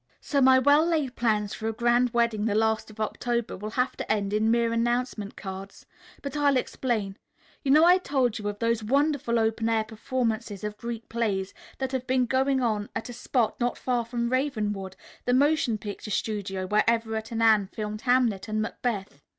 So my well laid plans for a grand wedding the last of October will have to end in mere announcement cards. But I'll explain. You know I told you of those wonderful open air performances of Greek plays that have been going on at a spot not far from Ravenwood, the motion picture studio where Everett and Anne filmed Hamlet and Macbeth.